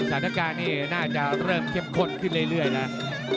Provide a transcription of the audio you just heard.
สถานการณ์นี้น่าจะเริ่มเข้มข้นขึ้นเรื่อยนะ